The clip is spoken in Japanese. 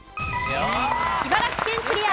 茨城県クリア。